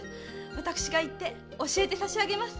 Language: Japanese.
私が教えて差し上げます。